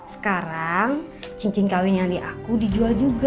sekarang cincin kawin yang di aku dijual juga